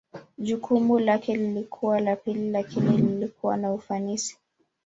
Jukumu lake lilikuwa la pili lakini lilikuwa na ufanisi.